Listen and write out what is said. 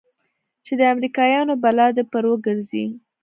چې د امريکايانو بلا دې پر وګرځي.